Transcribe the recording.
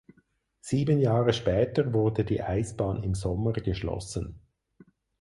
Sieben Jahre später wurde die Eisbahn im Sommer geschlossen.